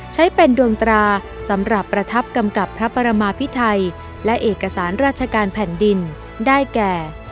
ใช้เป็นดวงตราสำหรับประทับกำกับพระปรมาพิไทยและเอกสารราชการแผ่นดินได้แก่